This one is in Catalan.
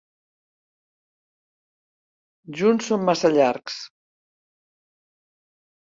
Junts són massa llargs.